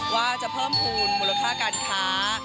ว่าจะเพิ่มภูมิมูลค่าการค้า